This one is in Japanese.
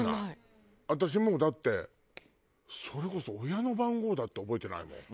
私もうだってそれこそ親の番号だって覚えてないもん。